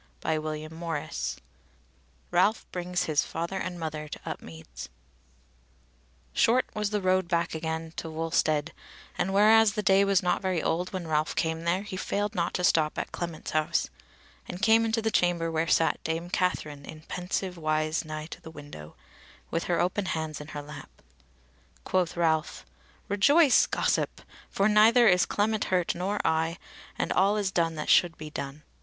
CHAPTER 30 Ralph Brings His Father and Mother to Upmeads Short was the road back again to Wulstead, and whereas the day was not very old when Ralph came there, he failed not to stop at Clement's house, and came into the chamber where sat Dame Katherine in pensive wise nigh to the window, with her open hands in her lap. Quoth Ralph: "Rejoice, gossip! for neither is Clement hurt, nor I, and all is done that should be done."